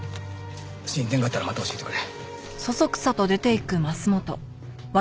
進展があったらまた教えてくれ。